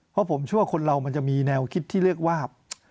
เพราะผมเชื่อว่าคนเรามันจะมีแนวคิดที่เรียกว่า